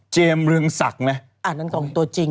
เจมส์เรืองสักเนี้ย